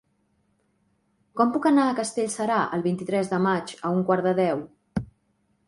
Com puc anar a Castellserà el vint-i-tres de maig a un quart de deu?